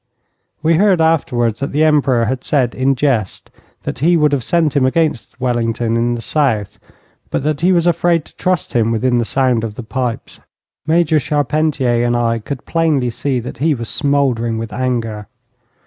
We heard afterwards that the Emperor had said in jest that he would have sent him against Wellington in the South, but that he was afraid to trust him within the sound of the pipes. Major Charpentier and I could plainly see that he was smouldering with anger.